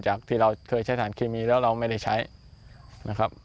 จากที่เราเคยใช้สารเคมีแล้วเราไม่ได้ใช้นะครับ